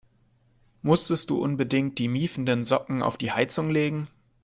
Musstest du unbedingt die miefenden Socken auf die Heizung legen?